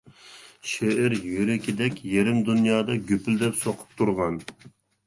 شېئىر يۈرىكىدەك يېرىم دۇنيادا گۈپۈلدەپ سۇقۇپ تۇرغان.